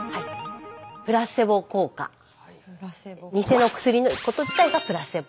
ニセの薬のこと自体がプラセボ。